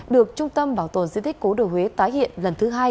được trung tâm bảo tồn di tích cố đồ huế tái hiện lần thứ hai